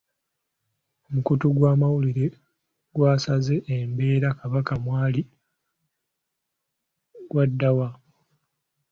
Omukutu gw'amawulire ogwasase embeera Kabaka mwali gwagaddwa.